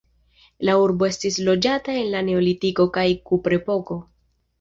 La urbo estis loĝata en la neolitiko kaj kuprepoko.